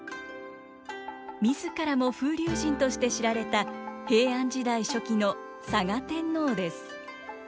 自らも風流人として知られた平安時代初期の嵯峨天皇です。